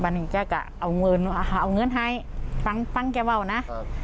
บันนี้แกก็เอาเงินเอาเงินให้ฟังแกว่านะ